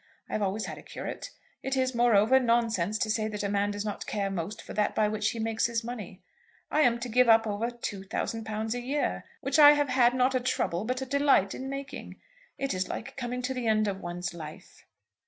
I have always had a curate. It is, moreover, nonsense to say that a man does not care most for that by which he makes his money. I am to give up over £2000 a year, which I have had not a trouble but a delight in making! It is like coming to the end of one's life."